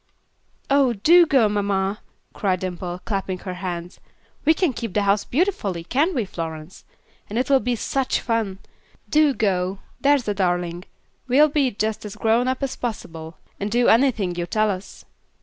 "Oh! do go, mamma," cried Dimple, clapping her hands. "We can keep house beautifully, can't we, Florence? and it will be such fun. Do go, there's a darling. We'll be just as grown up as possible, and do anything you tell us."